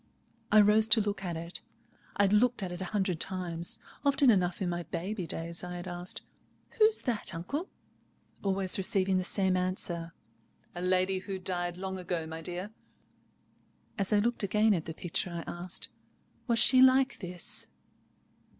I rose to look at it. I had looked at it a hundred times. Often enough in my baby days I had asked, "Who's that, uncle?" always receiving the same answer: "A lady who died long ago, my dear." As I looked again at the picture, I asked, "Was she like this?"